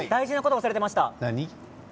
大吉さん、大事なことを忘れていました。